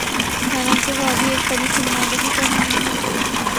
حالانکہ وہ بھی ایک فریق کی نمائندگی کر رہے ہیں۔